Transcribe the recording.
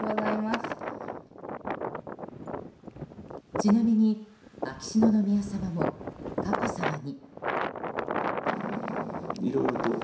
ちなみに秋篠宮さまも佳子さまに。